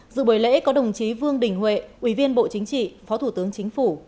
dự buổi lễ có đồng chí vương đình huệ ủy viên bộ chính trị phó thủ tướng chính phủ